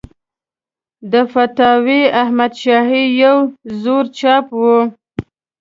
د فتاوی احمدشاهي یو زوړ چاپ و.